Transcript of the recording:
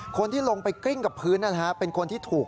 คนที่ลงไปกลิ้งกับพื้นนะ